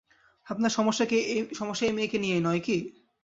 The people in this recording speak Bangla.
আপনার সমস্যা এই মেয়েকে নিয়েই, নয় কি?